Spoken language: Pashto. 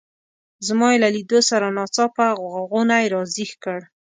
زما یې له لیدو سره ناڅاپه غونی را زېږ کړ.